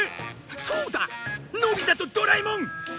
そうだのび太とドラえもん会場を探せ。